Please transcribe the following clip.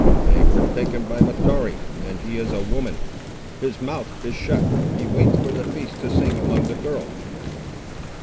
They were taken by Mahtoree, and he is a woman. His mouth is shut; he waits for the feasts to sing among the girls!"